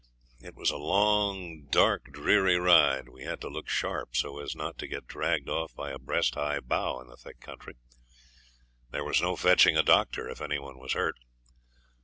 It was a long, dark, dreary ride. We had to look sharp so as not to get dragged off by a breast high bough in the thick country. There was no fetching a doctor if any one was hurt.